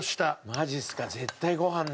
マジっすか。